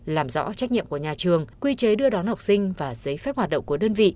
làm rõ trách nhiệm của nhà trường quy chế đưa đón học sinh và giấy phép hoạt động của đơn vị